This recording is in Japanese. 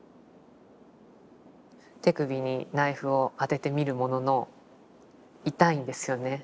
手首にナイフを当ててみるものの痛いんですよね。